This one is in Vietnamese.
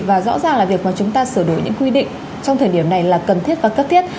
và rõ ràng là việc mà chúng ta sửa đổi những quy định trong thời điểm này là cần thiết và cấp thiết